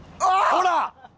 ほら！